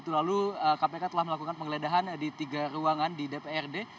lalu kpk telah melakukan penggeledahan di tiga ruangan di dprd